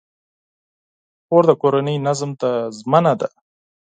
خور د کورنۍ نظم ته ژمنه ده.